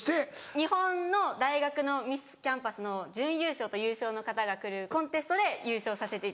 日本の大学のミスキャンパスの準優勝と優勝の方が来るコンテストで優勝させていただきました。